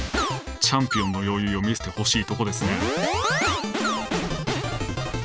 チャンピオンの余裕を見せてほしいとこですね。